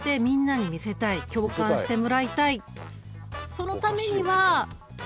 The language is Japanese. そのためには？